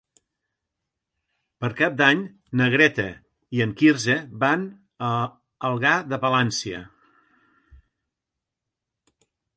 Per Cap d'Any na Greta i en Quirze van a Algar de Palància.